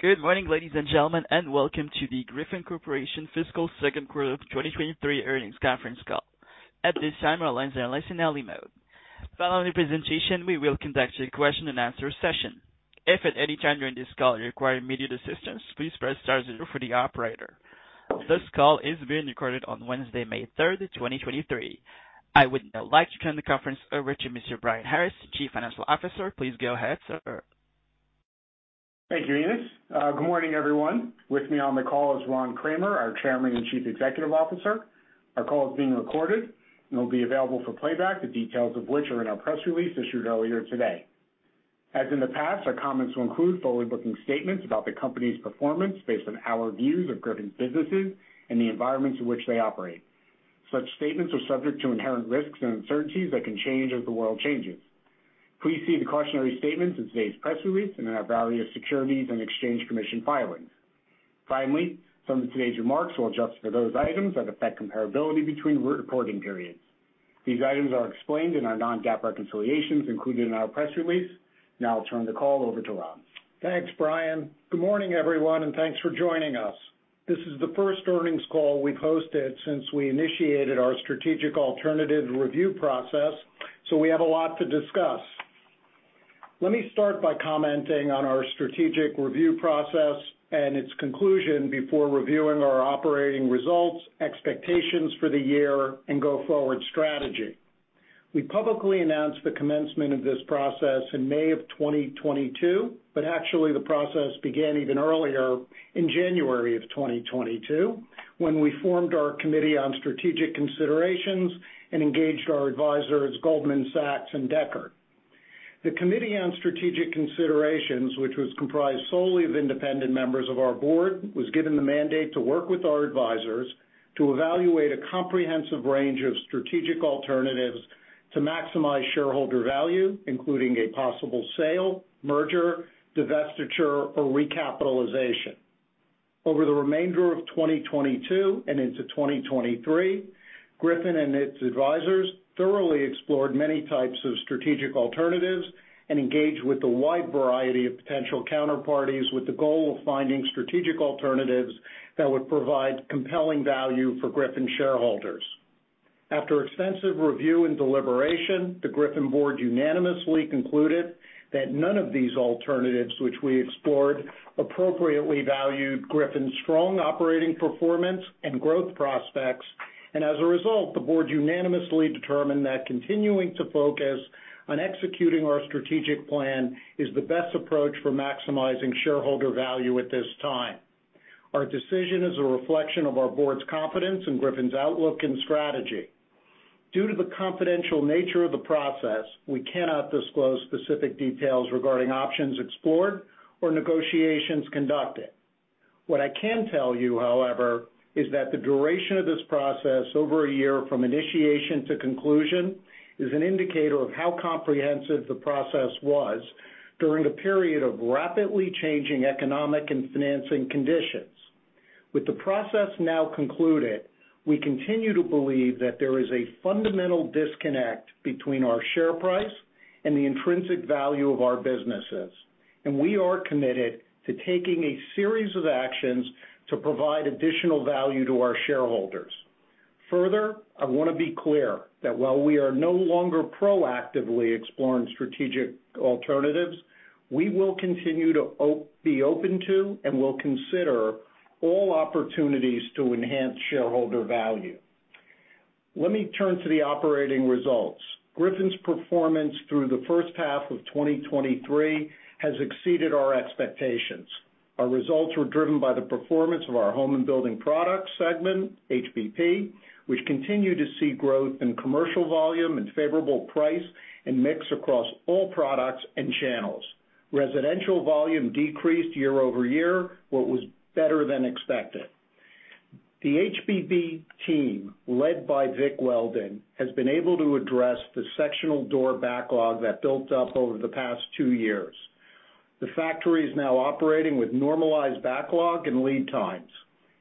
Good morning, ladies and gentlemen, welcome to the Griffon Corporation Fiscal Second Quarter of 2023 earnings conference call. At this time, our lines are in listen-only mode. Following the presentation, we will conduct a Q&A session. If at any time during this call you require immediate assistance, please press star zero for the operator. This call is being recorded on Wednesday, 3 May 2023. I would now like to turn the conference over to Mr. Brian Harris, Chief Financial Officer. Please go ahead, sir. Thank you, Eunice. Good morning, everyone. With me on the call is Ron Kramer, our Chairman and Chief Executive Officer. Our call is being recorded and will be available for playback, the details of which are in our press release issued earlier today. As in the past, our comments will include forward-looking statements about the company's performance based on our views of Griffon's businesses and the environments in which they operate. Such statements are subject to inherent risks and uncertainties that can change as the world changes. Please see the cautionary statements in today's press release and in our various Securities and Exchange Commission filings. Finally, some of today's remarks will adjust for those items that affect comparability between re-recording periods. These items are explained in our non-GAAP reconciliations included in our press release. I'll turn the call over to Ron. Thanks, Brian. Good morning, everyone, and thanks for joining us. This is the first earnings call we've hosted since we initiated our strategic alternative review process. We have a lot to discuss. Let me start by commenting on our strategic review process and its conclusion before reviewing our operating results, expectations for the year, and go forward strategy. We publicly announced the commencement of this process in May of 2022. Actually the process began even earlier in January of 2022, when we formed our Committee on Strategic Considerations and engaged our advisors, Goldman Sachs and Dechert LLP. The Committee on Strategic Considerations, which was comprised solely of independent members of our board, was given the mandate to work with our advisors to evaluate a comprehensive range of strategic alternatives to maximize shareholder value, including a possible sale, merger, divestiture or recapitalization. Over the remainder of 2022 and into 2023, Griffon and its advisors thoroughly explored many types of strategic alternatives and engaged with a wide variety of potential counterparties with the goal of finding strategic alternatives that would provide compelling value for Griffon shareholders. After extensive review and deliberation, the Griffon board unanimously concluded that none of these alternatives which we explored appropriately valued Griffon's strong operating performance and growth prospects. As a result, the board unanimously determined that continuing to focus on executing our strategic plan is the best approach for maximizing shareholder value at this time. Our decision is a reflection of our board's confidence in Griffon's outlook and strategy. Due to the confidential nature of the process, we cannot disclose specific details regarding options explored or negotiations conducted. What I can tell you, however, is that the duration of this process, over a year from initiation to conclusion, is an indicator of how comprehensive the process was during a period of rapidly changing economic and financing conditions. With the process now concluded, we continue to believe that there is a fundamental disconnect between our share price and the intrinsic value of our businesses. We are committed to taking a series of actions to provide additional value to our shareholders. Further, I wanna be clear that while we are no longer proactively exploring strategic alternatives, we will continue to be open to and will consider all opportunities to enhance shareholder value. Let me turn to the operating results. Griffon's performance through the first half of 2023 has exceeded our expectations. Our results were driven by the performance of our Home and Building Products segment, HBP, which continue to see growth in commercial volume and favorable price and mix across all products and channels. Residential volume decreased year-over-year, what was better than expected. The HBP team, led by Vic Weldon, has been able to address the sectional door backlog that built up over the past 2 years. The factory is now operating with normalized backlog and lead times.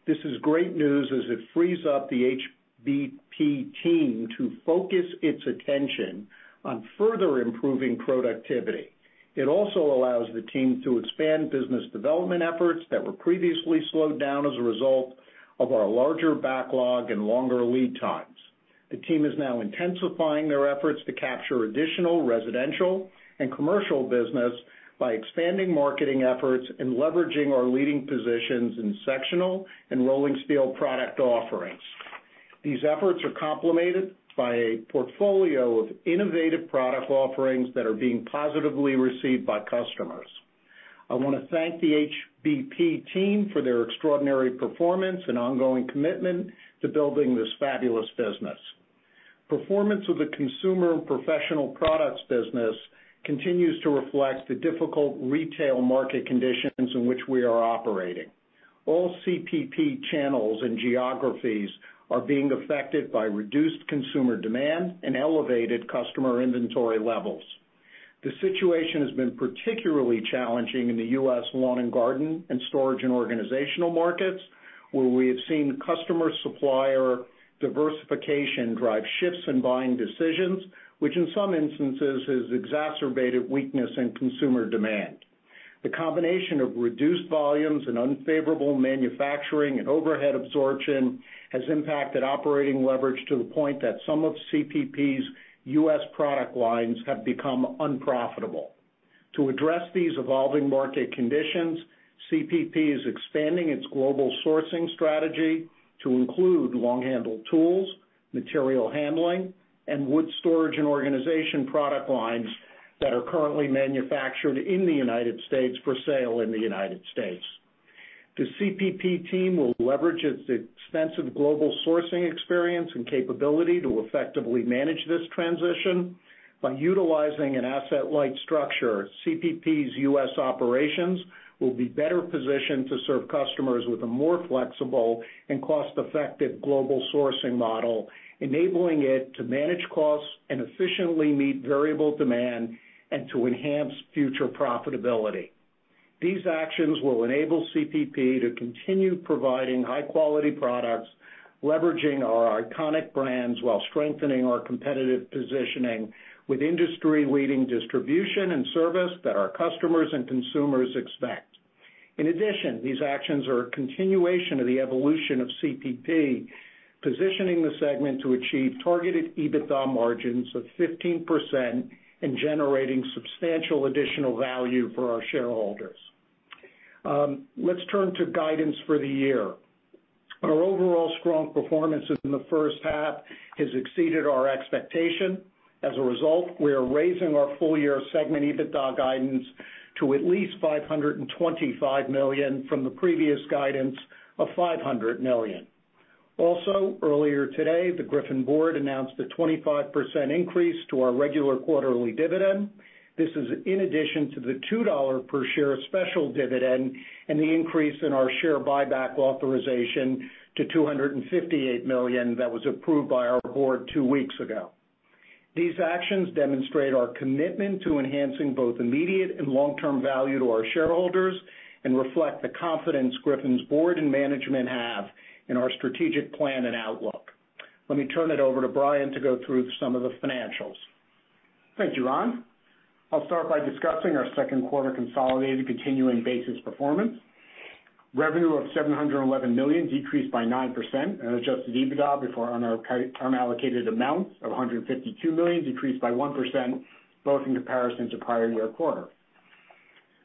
This is great news as it frees up the HBP team to focus its attention on further improving productivity. It also allows the team to expand business development efforts that were previously slowed down as a result of our larger backlog and longer lead times. The team is now intensifying their efforts to capture additional residential and commercial business by expanding marketing efforts and leveraging our leading positions in sectional and rolling steel product offerings. These efforts are complemented by a portfolio of innovative product offerings that are being positively received by customers. I wanna thank the HBP team for their extraordinary performance and ongoing commitment to building this fabulous business. Performance of the Consumer and Professional Products business continues to reflect the difficult retail market conditions in which we are operating. All CPP channels and geographies are being affected by reduced consumer demand and elevated customer inventory levels. The situation has been particularly challenging in the U.S. lawn and garden and storage and organization markets. Where we have seen customer supplier diversification drive shifts in buying decisions, which in some instances has exacerbated weakness in consumer demand. The combination of reduced volumes and unfavorable manufacturing and overhead absorption has impacted operating leverage to the point that some of CPP's U.S. product lines have become unprofitable. To address these evolving market conditions, CPP is expanding its global sourcing strategy to include long-handled tools, material handling, and wood storage and organization product lines that are currently manufactured in the United States for sale in the United States. The CPP team will leverage its extensive global sourcing experience and capability to effectively manage this transition. By utilizing an asset light structure, CPP's U.S. operations will be better positioned to serve customers with a more flexible and cost effective global sourcing model, enabling it to manage costs and efficiently meet variable demand and to enhance future profitability. These actions will enable CPP to continue providing high quality products, leveraging our iconic brands while strengthening our competitive positioning with industry leading distribution and service that our customers and consumers expect. In addition, these actions are a continuation of the evolution of CPP, positioning the segment to achieve targeted EBITDA margins of 15% and generating substantial additional value for our shareholders. Let's turn to guidance for the year. Our overall strong performance in the first half has exceeded our expectation. As a result, we are raising our full-year segment EBITDA guidance to at least $525 million from the previous guidance of $500 million. Earlier today, the Griffon board announced a 25% increase to our regular quarterly dividend. This is in addition to the $2 per share special dividend and the increase in our share buyback authorization to $258 million that was approved by our board 2 weeks ago. These actions demonstrate our commitment to enhancing both immediate and long term value to our shareholders and reflect the confidence Griffon's board and management have in our strategic plan and outlook. Let me turn it over to Brian to go through some of the financials. Thank you, Ron. I'll start by discussing our second quarter consolidated continuing basis performance. Revenue of $711 million decreased by 9%, and adjusted EBITDA before unallocated amounts of $152 million decreased by 1% both in comparison to prior-year quarter.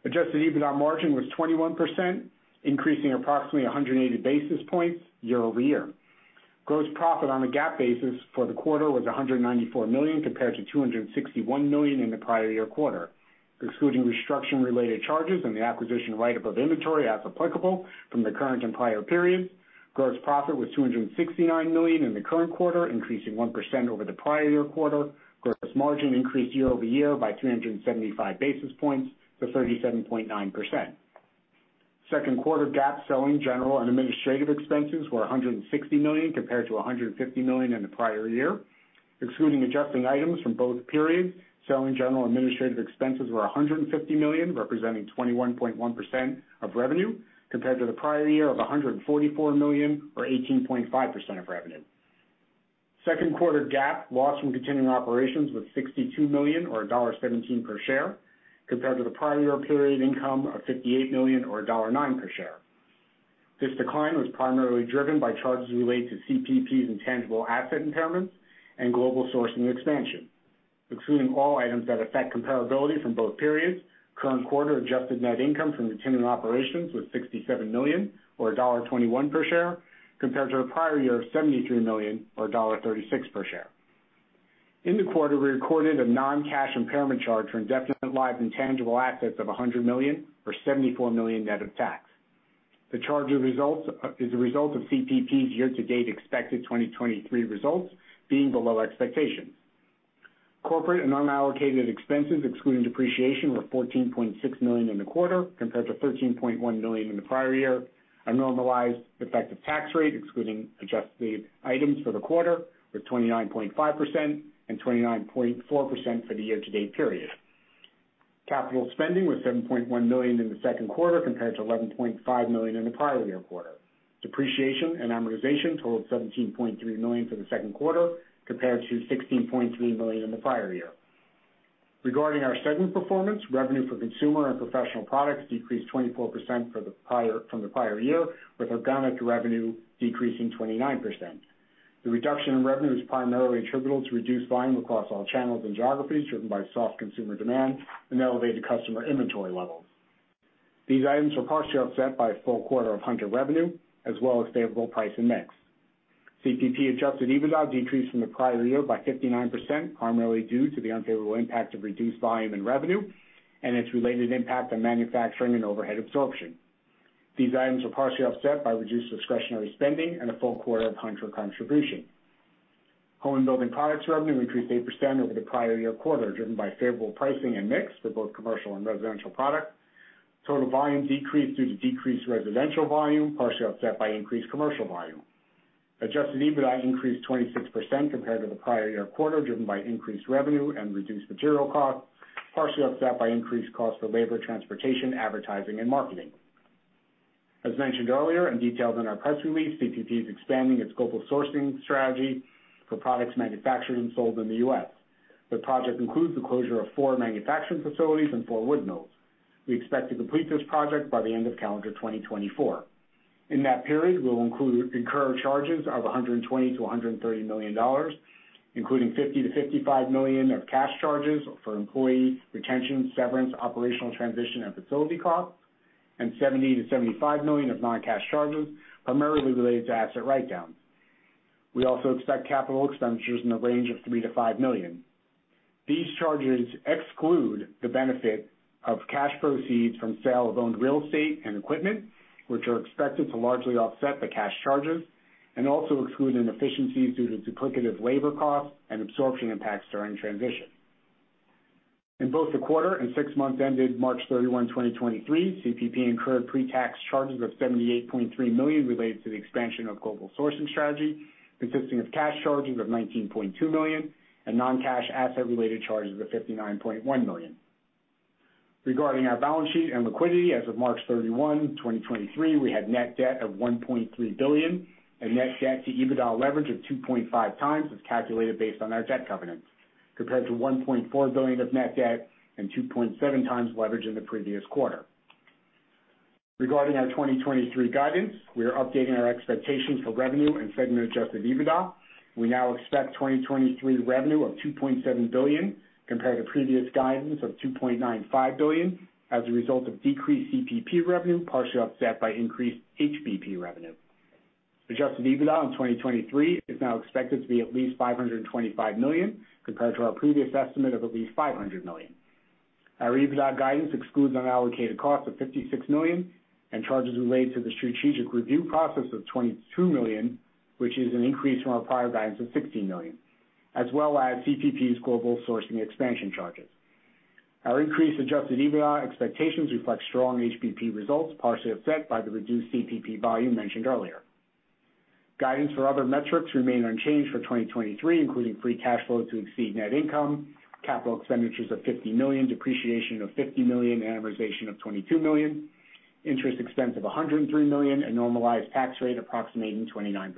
Adjusted EBITDA margin was 21%, increasing approximately 180 basis points year-over-year. Gross profit on a GAAP basis for the quarter was $194 million compared to $261 million in the prior-year quarter. Excluding restructuring related charges and the acquisition write up of inventory as applicable from the current and prior periods, gross profit was $269 million in the current quarter, increasing 1% over the prior-year quarter. Gross margin increased year-over-year by 375 basis points to 37.9%. Second quarter GAAP selling, general, and administrative expenses were $160 million compared to $150 million in the prior year. Excluding adjusting items from both periods, selling general and administrative expenses were $150 million, representing 21.1% of revenue compared to the prior year of $144 million or 18.5% of revenue. Second quarter GAAP loss from continuing operations was $62 million or $1.17 per share compared to the prior year period income of $58 million or $1.09 per share. This decline was primarily driven by charges related to CPP's intangible asset impairments and global sourcing expansion. Excluding all items that affect comparability from both periods, current quarter adjusted net income from continuing operations was $67 million or $1.21 per share compared to the prior year of $73 million or $1.36 per share. In the quarter, we recorded a non-cash impairment charge for indefinite lives intangible assets of $100 million or $74 million net of tax. The charge of results is a result of CPP's year-to-date expected 2023 results being below expectations. Corporate and unallocated expenses, excluding depreciation, were $14.6 million in the quarter compared to $13.1 million in the prior year. A normalized effective tax rate, excluding adjusted items for the quarter, was 29.5% and 29.4% for the year-to-date period. Capital spending was $7.1 million in the second quarter compared to $11.5 million in the prior year quarter. Depreciation and amortization totaled $17.3 million for the second quarter compared to $16.3 million in the prior year. Regarding our segment performance, revenue for Consumer and Professional Products decreased 24% from the prior year, with organic revenue decreasing 29%. The reduction in revenue is primarily attributable to reduced volume across all channels and geographies driven by soft consumer demand and elevated customer inventory levels. These items were partially offset by a full quarter of Hunter revenue as well as favorable price and mix. CPP adjusted EBITDA decreased from the prior year by 59%, primarily due to the unfavorable impact of reduced volume and revenue and its related impact on manufacturing and overhead absorption. These items were partially offset by reduced discretionary spending and a full quarter of Hunter contribution. Home and Building Products revenue increased 8% over the prior year quarter, driven by favorable pricing and mix for both commercial and residential products. Total volume decreased due to decreased residential volume, partially offset by increased commercial volume. Adjusted EBITDA increased 26% compared to the prior year quarter, driven by increased revenue and reduced material costs, partially offset by increased costs for labor, transportation, advertising, and marketing. As mentioned earlier and detailed in our press release, CPP is expanding its global sourcing strategy for products manufactured and sold in the U.S. The project includes the closure of 4 manufacturing facilities and 4 wood mills. We expect to complete this project by the end of calendar 2024. In that period, we'll incur charges of $120 million to $130 million, including $50 million to $55 million of cash charges for employee retention, severance, operational transition, and facility costs, and $70 million to $75 million of non-cash charges, primarily related to asset write-downs. We also expect capital expenditures in the range of $3 million-$5 million. These charges exclude the benefit of cash proceeds from sale of owned real estate and equipment, which are expected to largely offset the cash charges and also exclude inefficiencies due to duplicative labor costs and absorption impacts during transition. In both the quarter and six months ended 31 March 2023, CPP incurred pre-tax charges of $78.3 million related to the expansion of global sourcing strategy, consisting of cash charges of $19.2 million and non-cash asset-related charges of $59.1 million. Regarding our balance sheet and liquidity as of 31 March 2023, we had net debt of $1.3 billion and net debt to EBITDA leverage of 2.5 times as calculated based on our debt covenants, compared to $1.4 billion of net debt and 2.7 times leverage in the previous quarter. Regarding our 2023 guidance, we are updating our expectations for revenue and segment adjusted EBITDA. We now expect 2023 revenue of $2.7 billion compared to previous guidance of $2.95 billion as a result of decreased CPP revenue, partially offset by increased HBP revenue. Adjusted EBITDA in 2023 is now expected to be at least $525 million compared to our previous estimate of at least $500 million. Our EBITDA guidance excludes unallocated cost of $56 million and charges related to the strategic review process of $22 million, which is an increase from our prior guidance of $16 million, as well as CPP's global sourcing expansion charges. Our increased adjusted EBITDA expectations reflect strong HBP results, partially offset by the reduced CPP volume mentioned earlier. Guidance for other metrics remain unchanged for 2023, including free cash flow to exceed net income, capital expenditures of $50 million, depreciation of $50 million, amortization of $22 million, interest expense of $103 million, and normalized tax rate approximating 29%.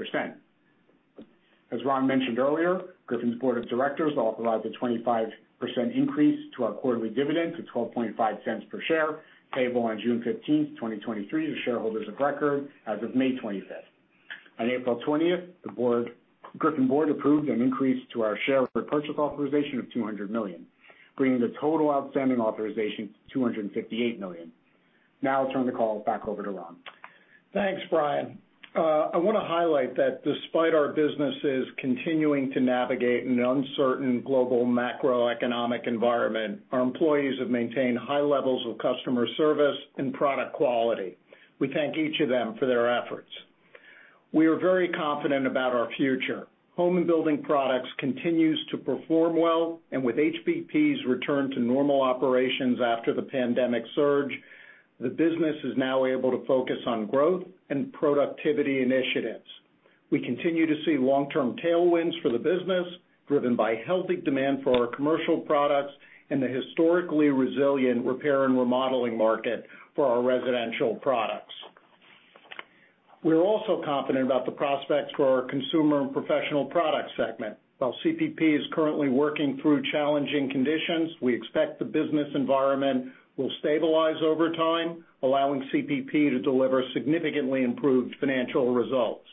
As Ron mentioned earlier, Griffon's board of directors authorized a 25% increase to our quarterly dividend to $0.125 per share, payable on 15 June 2023 to shareholders of record as of May 25. On April 20th, the Griffon board approved an increase to our share repurchase authorization of $200 million, bringing the total outstanding authorization to $258 million. I'll turn the call back over to Ron. Thanks, Brian. I wanna highlight that despite our businesses continuing to navigate an uncertain global macroeconomic environment, our employees have maintained high levels of customer service and product quality. We thank each of them for their efforts. We are very confident about our future. Home and Building Products continues to perform well, and with HBP's return to normal operations after the pandemic surge, the business is now able to focus on growth and productivity initiatives. We continue to see long-term tailwinds for the business, driven by healthy demand for our commercial products and the historically resilient repair and remodeling market for our residential products. We are also confident about the prospects for our Consumer and Professional Products segment. While CPP is currently working through challenging conditions, we expect the business environment will stabilize over time, allowing CPP to deliver significantly improved financial results.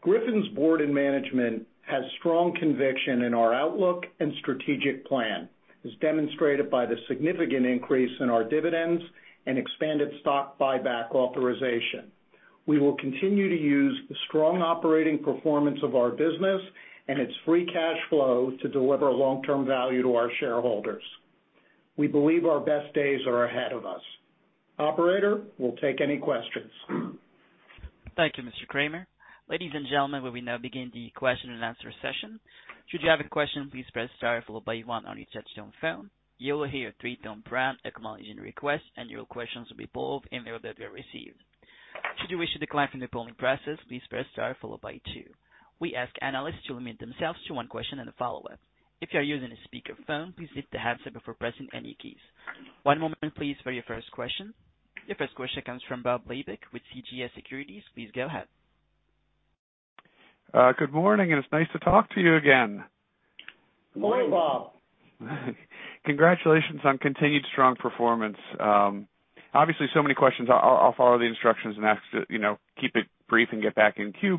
Griffon's board and management has strong conviction in our outlook and strategic plan, as demonstrated by the significant increase in our dividends and expanded stock buyback authorization. We will continue to use the strong operating performance of our business and its free cash flow to deliver long-term value to our shareholders. We believe our best days are ahead of us. Operator, we'll take any questions. Thank you, Mr. Kramer. Ladies and gentlemen, we will now begin the question and answer session. Should you have a question, please press star followed by 1 on your touchtone phone. You will hear a 3 tone prompt acknowledging your request, and your questions will be pulled in the order they're received. Should you wish to decline from the polling process, please press star followed by 2. We ask analysts to limit themselves to one question and a follow up. If you are using a speakerphone, please hit the handset before pressing any keys. One moment please for your first question. Your first question comes from Bob Labick with CJS Securities. Please go ahead. Good morning, it's nice to talk to you again. Good morning, Bob. Congratulations on continued strong performance. Obviously, so many questions. I'll follow the instructions and ask to, keep it brief and get back in queue.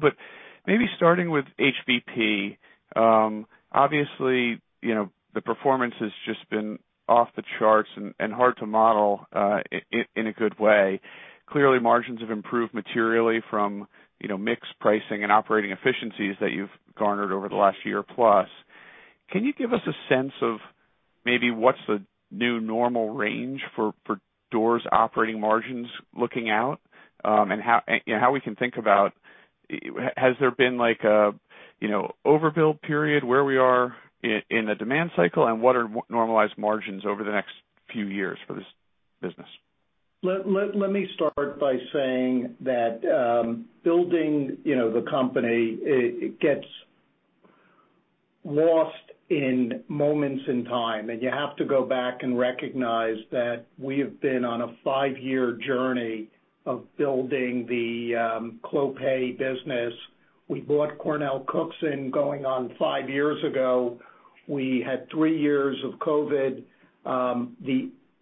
Maybe starting with HBP, obviously, the performance has just been off the charts and hard to model in a good way. Clearly, margins have improved materially from, mix pricing and operating efficiencies that you've garnered over the last year plus. Can you give us a sense of maybe what's the new normal range for Doors operating margins looking out, and how, and, how we can think about has there been like a, overbuild period where we are in the demand cycle, and what are normalized margins over the next few years for this business? Let me start by saying that, the company, it gets lost in moments in time. You have to go back and recognize that we have been on a 5-year journey of building the Clopay business. We bought Cornell Cookson going on 5 years ago. We had 3 years of COVID.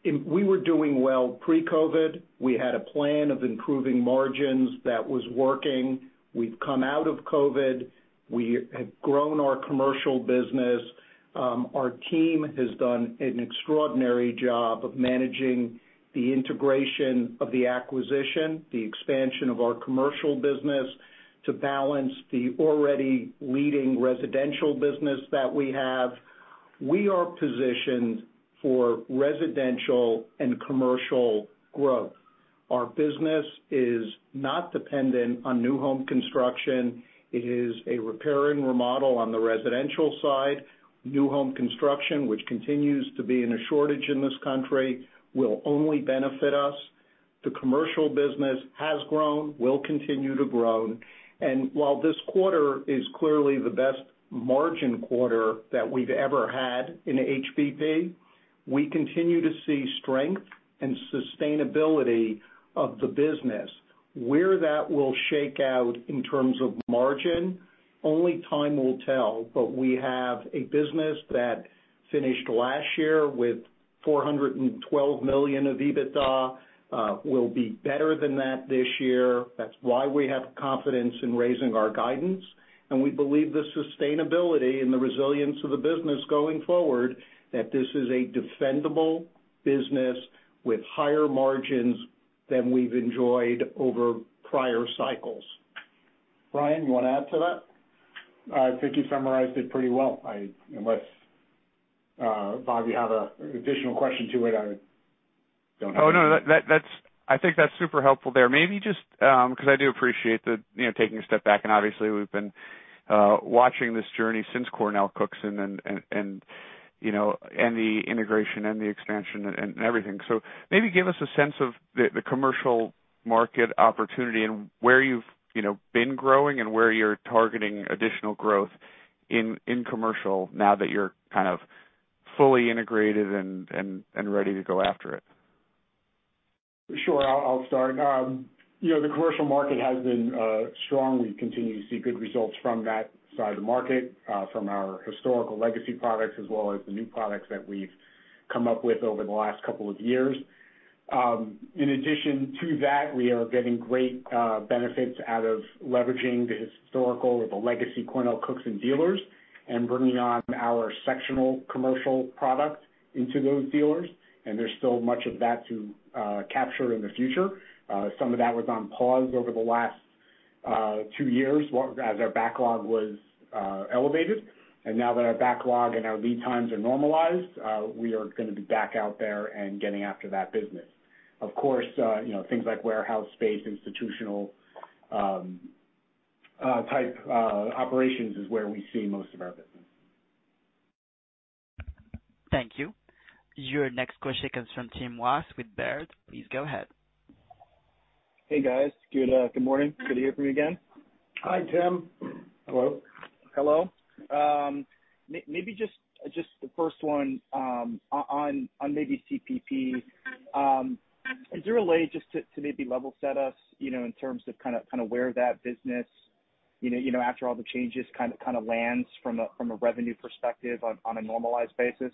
We were doing well pre-COVID. We had a plan of improving margins that was working. We've come out of COVID. We have grown our commercial business. Our team has done an extraordinary job of managing the integration of the acquisition, the expansion of our commercial business to balance the already leading residential business that we have. We are positioned for residential and commercial growth. Our business is not dependent on new home construction. It is a repair and remodel on the residential side. New home construction, which continues to be in a shortage in this country, will only benefit us. The commercial business has grown, will continue to grow. While this quarter is clearly the best margin quarter that we've ever had in HBP, we continue to see strength and sustainability of the business. Where that will shake out in terms of margin, only time will tell. We have a business that finished last year with $412 million of EBITDA, will be better than that this year. That's why we have confidence in raising our guidance. We believe the sustainability and the resilience of the business going forward, that this is a defendable business with higher margins than we've enjoyed over prior cycles. Brian, you wanna add to that? I think you summarized it pretty well. Unless, Bob, you have an additional question to it, I don't have anything. Oh, no. That's I think that's super helpful there. Maybe just, 'cause I do appreciate the, taking a step back, and obviously we've been watching this journey since Cornell Cookson and the integration and the expansion and everything. Maybe give us a sense of the commercial market opportunity and where you've, been growing and where you're targeting additional growth in commercial now that you're kind of fully integrated and ready to go after it. Sure. I'll start. The commercial market has been strong. We continue to see good results from that side of the market, from our historical legacy products as well as the new products that we've come up with over the last couple of years. In addition to that, we are getting great benefits out of leveraging the historical or the legacy Cornell Cookson dealers and bringing on our sectional commercial product into those dealers, and there's still much of that to capture in the future. Some of that was on pause over the last two years as our backlog was elevated. Now that our backlog and our lead times are normalized, we are gonna be back out there and getting after that business. Of course, things like warehouse space, institutional, type operations is where we see most of our business. Thank you. Your next question comes from Tim Wojs with Baird. Please go ahead. Hey, guys. Good, good morning. Good to hear from you again. Hi, Tim. Hello. Hello. maybe just the first one, on maybe CPP. Is there a way just to maybe level set us, in terms of kinda where that business, after all the changes kinda lands from a revenue perspective on a normalized basis?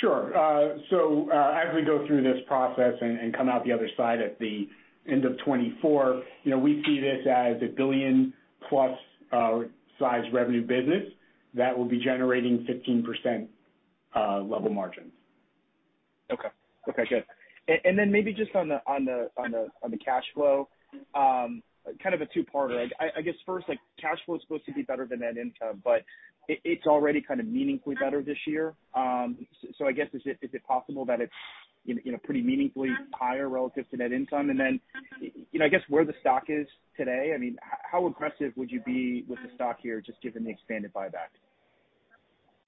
Sure. As we go through this process and come out the other side at the end of 2024, we see this as a $1 billion-plus size revenue business that will be generating 15% level margins. Okay, good. Then maybe just on the cash flow, kind of a two-parter. I guess first, like, cash flow is supposed to be better than net income, but it's already kind of meaningfully better this year. So I guess is it possible that it's in a pretty meaningfully higher relative to net income? Then, I guess where the stock is today, I mean, how aggressive would you be with the stock here just given the expanded buyback?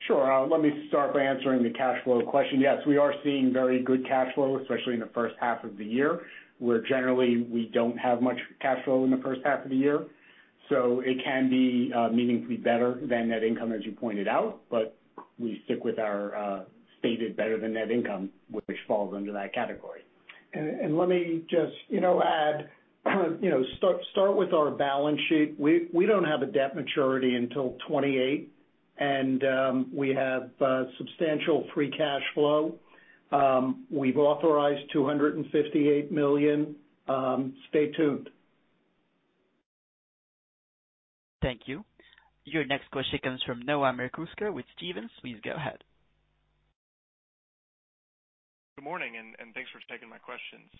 Sure. Let me start by answering the cash flow question. Yes, we are seeing very good cash flow, especially in the first half of the year, where generally we don't have much cash flow in the first half of the year. It can be meaningfully better than net income, as you pointed out. We stick with our stated better than net income, which falls under that category. Let me just add, start with our balance sheet. We don't have a debt maturity until 2028, and we have substantial free cash flow. We've authorized $258 million. Stay tuned. Thank you. Your next question comes from Noah Merkousko with Stephens. Please go ahead. Good morning, and thanks for taking my questions.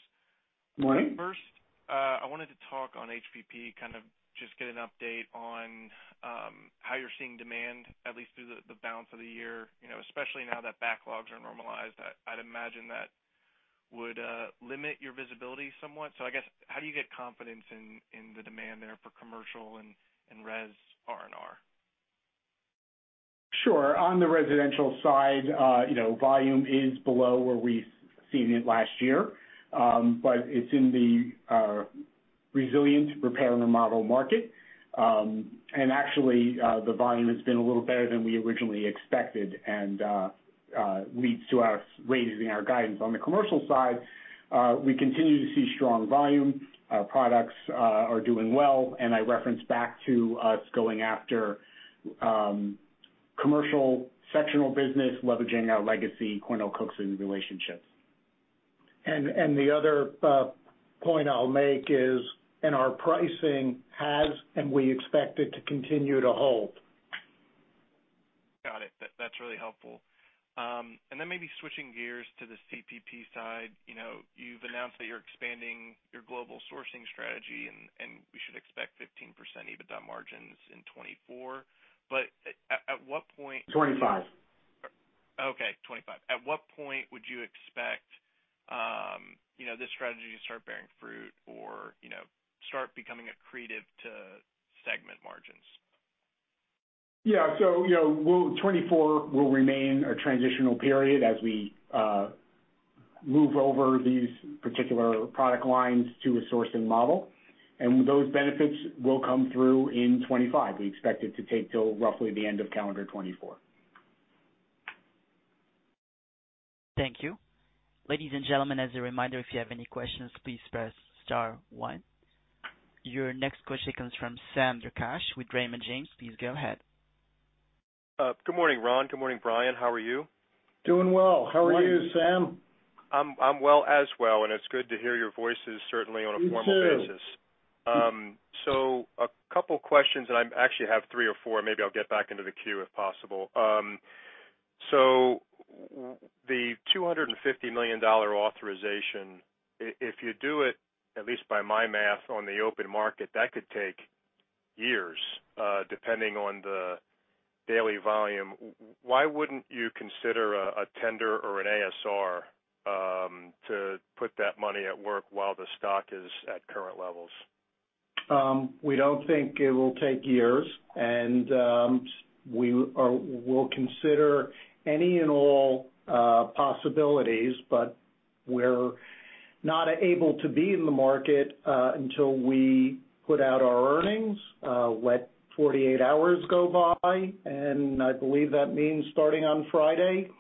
Morning. First, I wanted to talk on HBP, kind of just get an update on, how you're seeing demand at least through the balance of the year. especially now that backlogs are normalized, I'd imagine that would limit your visibility somewhat. I guess, how do you get confidence in the demand there for commercial and res R&R? Sure. On the residential side, volume is below where we've seen it last year, but it's in the resilient repair and remodel market. Actually, the volume has been a little better than we originally expected, and leads to us raising our guidance. On the commercial side, we continue to see strong volume. Our products are doing well, and I reference back to us going after commercial sectional business, leveraging our legacy Cornell Cookson relationships. The other point I'll make is and our pricing has, and we expect it to continue to hold. Got it. That's really helpful. Then maybe switching gears to the CPP side. you've announced that you're expanding your global sourcing strategy and we should expect 15% EBITDA margins in 2024. At what point. 25. Okay, 25. At what point would you expect, this strategy to start bearing fruit or, start becoming accretive to segment margins? 2024 will remain a transitional period as we move over these particular product lines to a sourcing model, and those benefits will come through in 2025. We expect it to take till roughly the end of calendar 2024. Thank you. Ladies and gentlemen, as a reminder, if you have any questions, please press star 1. Your next question comes from Sam Darkatsh with Raymond James. Please go ahead. Good morning, Ron. Good morning, Brian. How are you? Doing well. How are you, Sam? I'm well as well, and it's good to hear your voices, certainly on a formal basis. You too. A couple questions, and I actually have three or four. Maybe I'll get back into the queue if possible. The $250 million authorization, if you do it, at least by my math, on the open market, that could take years, depending on the daily volume. Why wouldn't you consider a tender or an ASR, to put that money at work while the stock is at current levels? We don't think it will take years, and we'll consider any and all possibilities, but we're not able to be in the market until we put out our earnings, let 48 hours go by, and I believe that means starting on Friday.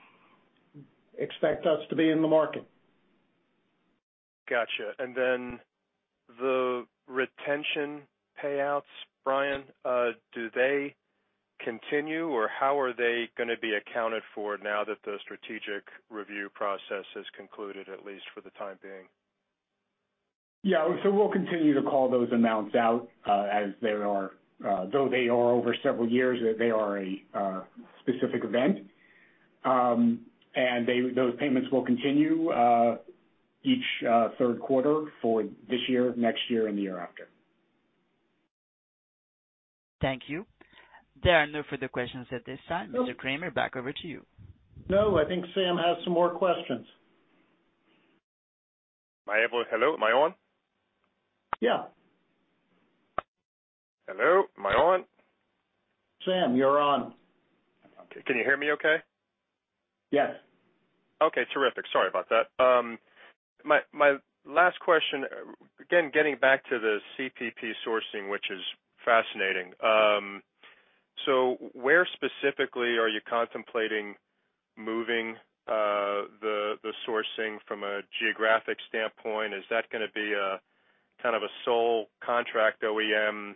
Expect us to be in the market. Gotcha. The retention payouts, Brian, do they continue, or how are they gonna be accounted for now that the strategic review process has concluded, at least for the time being? We'll continue to call those amounts out, as they are. Though they are over several years, they are a specific event. Those payments will continue, each third quarter for this year, next year, and the year after. Thank you. There are no further questions at this time. Mr. Kramer, back over to you. I think Sam has some more questions. Hello? Am I on? Hello? Am I on? Sam, you're on. Can you hear me okay? Yes. Okay, terrific. Sorry about that. my last question, again, getting back to the CPP sourcing, which is fascinating. Where specifically are you contemplating moving the sourcing from a geographic standpoint? Is that gonna be a kind of a sole contract OEM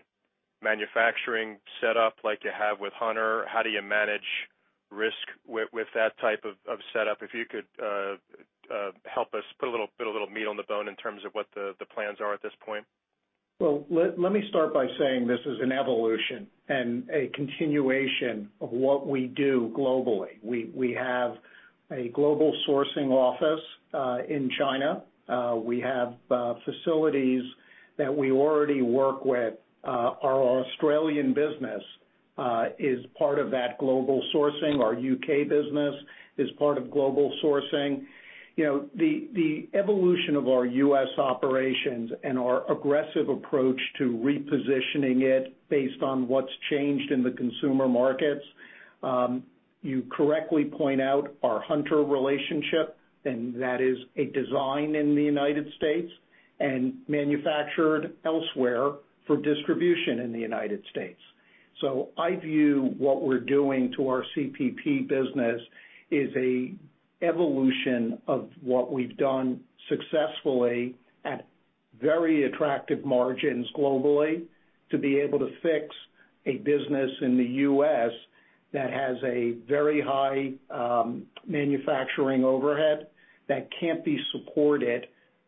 manufacturing setup like you have with Hunter? How do you manage risk with that type of setup? If you could help us put a little meat on the bone in terms of what the plans are at this point. Let me start by saying this is an evolution and a continuation of what we do globally. We have a global sourcing office in China. We have facilities that we already work with. Our Australian business is part of that global sourcing. Our U.K. business is part of global sourcing. The evolution of our U.S. operations and our aggressive approach to repositioning it based on what's changed in the consumer markets, you correctly point out our Hunter relationship, and that is a design in the United States and manufactured elsewhere for distribution in the United States. I view what we're doing to our CPP business is a evolution of what we've done successfully at very attractive margins globally to be able to fix a business in the U.S. that has a very high manufacturing overhead that can't be supported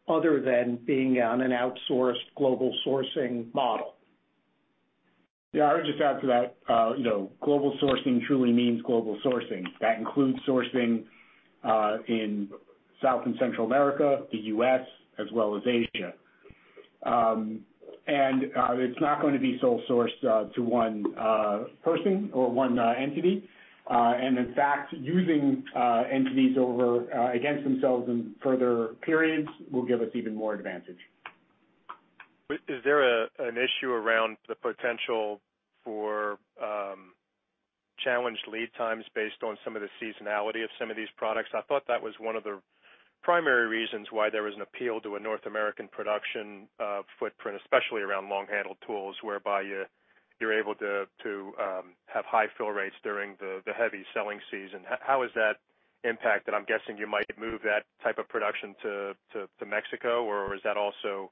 other than being on an outsourced global sourcing model. I would just add to that, global sourcing truly means global sourcing. That includes sourcing in South and Central America, the U.S., as well as Asia. It's not gonna be sole sourced to one person or one entity. In fact, using entities over against themselves in further periods will give us even more advantage. Is there an issue around the potential for challenged lead times based on some of the seasonality of some of these products? I thought that was one of the primary reasons why there was an appeal to a North American production footprint, especially around long-handled tools, whereby you're able to have high fill rates during the heavy selling season. How has that impacted? I'm guessing you might move that type of production to Mexico, or is that also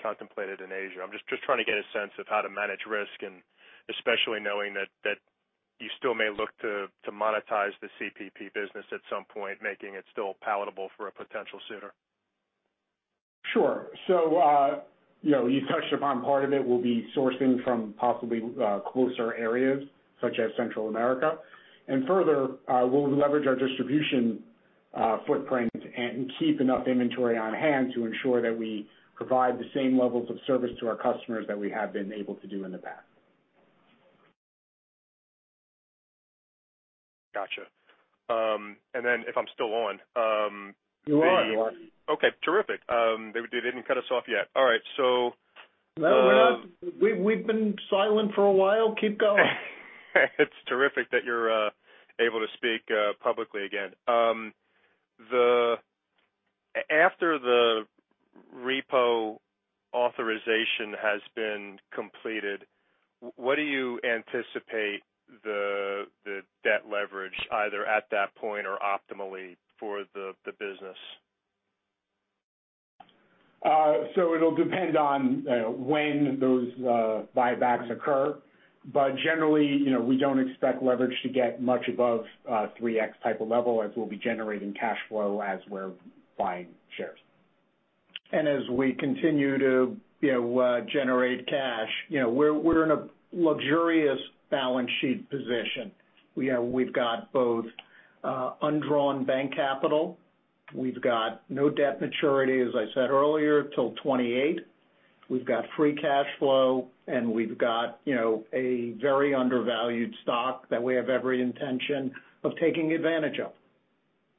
contemplated in Asia? I'm just trying to get a sense of how to manage risk and especially knowing that you still may look to monetize the CPP business at some point, making it still palatable for a potential suitor. Sure. you touched upon part of it. We'll be sourcing from possibly, closer areas such as Central America. Further, we'll leverage our distribution, footprint and keep enough inventory on hand to ensure that we provide the same levels of service to our customers that we have been able to do in the past. Gotcha. If I'm still on. You're on. Okay. Terrific. They didn't cut us off yet. All right. No, we're not. We've been silent for a while. Keep going. It's terrific that you're able to speak publicly again. After the repo authorization has been completed, what do you anticipate the debt leverage either at that point or optimally for the business? It'll depend on when those buybacks occur. Generally, we don't expect leverage to get much above 3x type of level as we'll be generating cash flow as we're buying shares. As we continue to, generate cash, we're in a luxurious balance sheet position. We've got both, undrawn bank capital. We've got no debt maturity, as I said earlier, till 2028. We've got free cash flow, and we've got, a very undervalued stock that we have every intention of taking advantage of.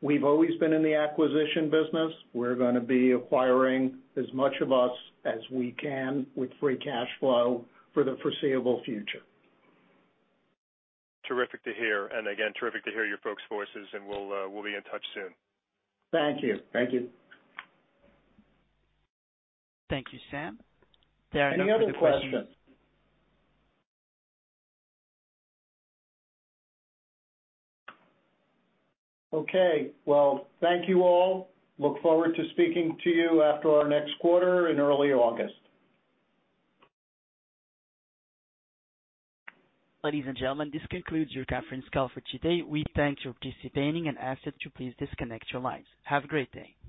We've always been in the acquisition business. We're gonna be acquiring as much of us as we can with free cash flow for the foreseeable future. Terrific to hear, and again, terrific to hear your folks' voices, and we'll be in touch soon. Thank you. Thank you. Thank you, Sam. There are no further questions. Any other questions? Okay. Well, thank you all. Look forward to speaking to you after our next quarter in early August. Ladies and gentlemen, this concludes your conference call for today. We thank you for participating and ask that you please disconnect your lines. Have a great day.